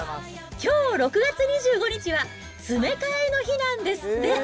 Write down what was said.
きょう６月２５日は、詰め替えの日なんですって。